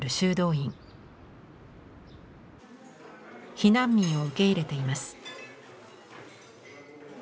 避難民を受け入れています。